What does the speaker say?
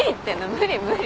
無理無理。